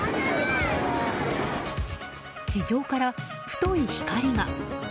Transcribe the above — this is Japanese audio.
地上から太い光が。